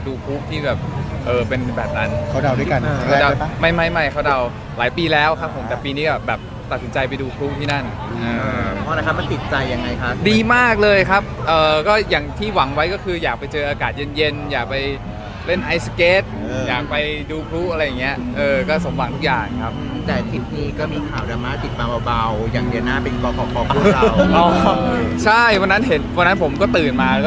ยังไม่ถึงขนาดนั้นยังไม่ถึงขนาดนั้นยังไม่ถึงขนาดนั้นยังไม่ถึงขนาดนั้นยังไม่ถึงขนาดนั้นยังไม่ถึงขนาดนั้นยังไม่ถึงขนาดนั้นยังไม่ถึงขนาดนั้นยังไม่ถึงขนาดนั้นยังไม่ถึงขนาดนั้นยังไม่ถึงขนาดนั้นยังไม่ถึงขนาดนั้นยังไม่ถึงขนาดนั้นยังไม่ถึงขนาดน